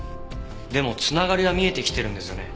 でもつながりは見えてきてるんですよね？